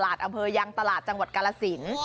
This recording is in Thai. อำเภอยังตลาดจังหวัดกาลสิน